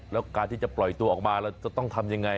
แล้วการที่จะปล่อยตัวออกมาเราจะต้องทำยังไง